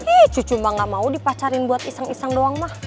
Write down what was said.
ini cucu mah gak mau dipasarin buat iseng iseng doang mah